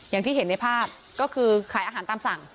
อย่างที่เห็นในภาพก็คือขายอาหารตามสั่ง